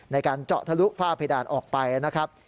ในการเจาะทะลุฝ้าเพดานออกไปนะครับ